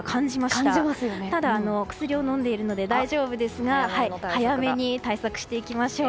ただ、薬を飲んでいるので大丈夫ですが早めに対策していきましょう。